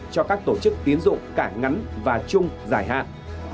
cho các tổ chức tiến dụng cả ngắn và chung giải hạn